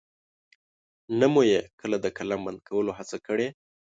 نه مو يې کله د قلم بند کولو هڅه کړې.